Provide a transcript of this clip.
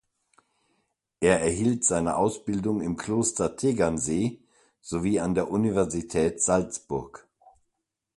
Er erhielt seine Ausbildung im Kloster Tegernsee sowie an der Universität Salzburg.